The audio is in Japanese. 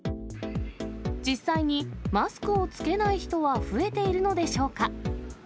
実際にマスクを着けない人は増えているのでしょうか。